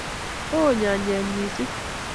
Ooh nyanjet missing